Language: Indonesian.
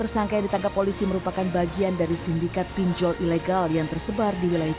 empat puluh lima tersangka yang ditangkap polisi merupakan bagian dari sindikat pinjol ilegal yang tersebar di website